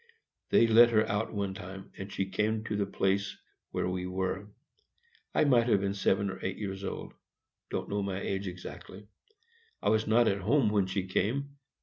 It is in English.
They let her out one time, and she came to the place where we were. I might have been seven or eight years old,—don't know my age exactly. I was not at home when she came.